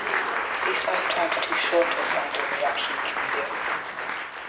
These lifetimes are too short to assign to a reaction intermediate.